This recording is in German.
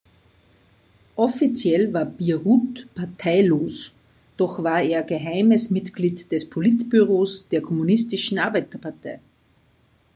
Offiziell war Bierut parteilos, doch war er geheimes Mitglied des Politbüros der kommunistischen Arbeiterpartei.